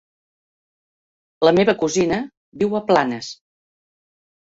La meva cosina viu a Planes.